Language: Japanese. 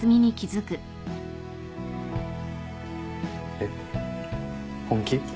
えっ本気？